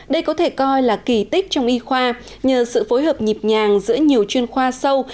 đây có thể coi là kỳ tích trong y khoa nhờ sự phối hợp nhịp nhàng giữa nhiều chuyên khoa sâu